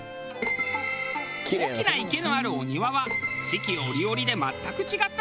大きな池のあるお庭は四季折々で全く違った姿に。